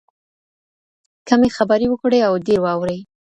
کمې خبرې وکړئ او ډېر واورئ.